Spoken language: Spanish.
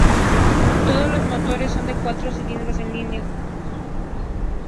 Todos los motores son de cuatro cilindros en línea.